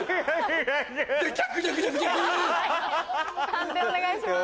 判定お願いします。